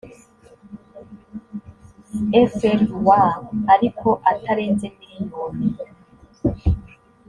frw ariko atarenze miliyoni